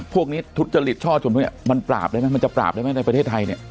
พวกนี้ทุจริตชอบชมมันปราบได้ไหมมันจะปราบได้ไหมในประเทศไทย